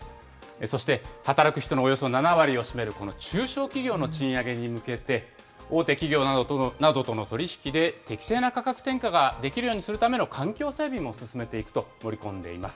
そして、働く人のおよそ７割を占めるこの中小企業の賃上げに向けて、大手企業などとの取り引きで適正な価格転嫁ができるようにするための環境整備も進めていくと盛り込んでいます。